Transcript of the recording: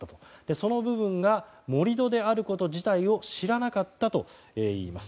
その部分が盛り土であること自体を知らなかったといいます。